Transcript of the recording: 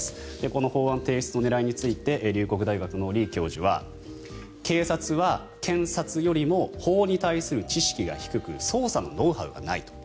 この法案提出の狙いについて龍谷大学の李教授は警察は検察よりも法に対する知識が低く捜査のノウハウがないと。